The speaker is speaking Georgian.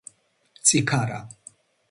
წიქარა